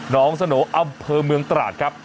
น้องสโนอำเภอเมืองตราดครับ